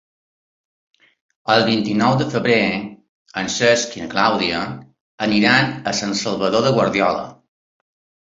El vint-i-nou de febrer en Cesc i na Clàudia aniran a Sant Salvador de Guardiola.